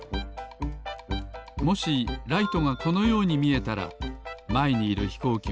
もしライトがこのようにみえたらまえにいるひこうきは